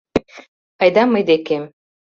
Айда мый декем.